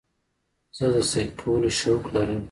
زه د سیل کولو شوق لرم.